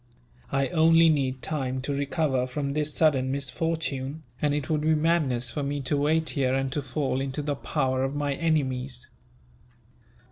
I only need time to recover from this sudden misfortune, and it would be madness for me to wait here, and to fall into the power of my enemies.